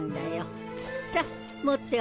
さあ持ってお帰り。